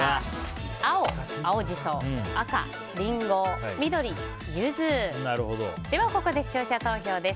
青、青ジソ赤、リンゴ緑、ユズでは、ここで視聴者投票です。